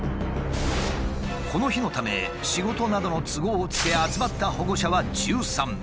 この日のため仕事などの都合をつけ集まった保護者は１３名。